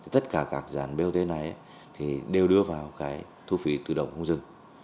tất cả các dàn bot này đều đưa vào cái thu phí tự động không dừng